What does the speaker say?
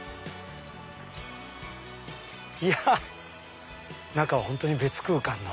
いや中は本当に別空間の。